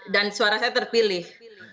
dan suara saya terpilih